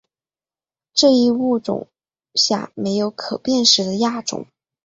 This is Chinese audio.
这一物种下没有可辨识的亚种。